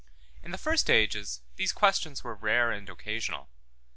In the first ages these questions were rare and occasional.